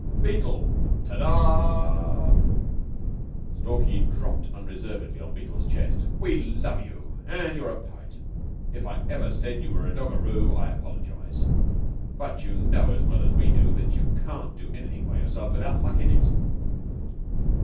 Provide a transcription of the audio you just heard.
"Beetle, de ah" Stalky dropped unreservedly on Beetle's chest "we love you, an' you're a poet. If I ever said you were a doggaroo, I apologize; but you know as well as we do that you can't do anything by yourself without mucking it."